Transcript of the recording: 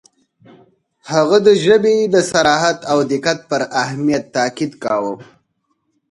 • هغه د ژبې د صراحت او دقت پر اهمیت تأکید کاوه.